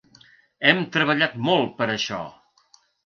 Hem treballat molt per a això.